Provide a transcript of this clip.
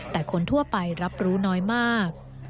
แต่คนทั่วไปรับรู้น้อยมาก